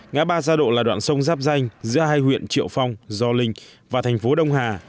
ngã ba gia độ là đoạn sông giáp danh giữa hai huyện triệu phong gio linh và thành phố đông hà